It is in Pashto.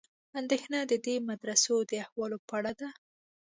اندېښنه د دې مدرسو د احوالو په اړه ده.